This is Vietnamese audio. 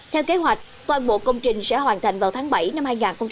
theo kế hoạch toàn bộ công trình sẽ hoàn thành vào tháng bảy năm hai nghìn hai mươi